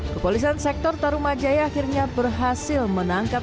kepolisian sektor tarumajaya akhirnya berhasil menangkap